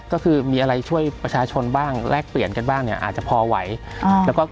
ก็คือมีอะไรช่วยประชาชนบ้างแลกเปลี่ยนกันบ้างอาจจะพอไหว